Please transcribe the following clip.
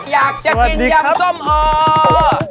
อยากจะกินยำสมโอล์